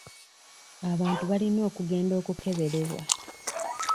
Abantu balina okugenda okukeberebwa.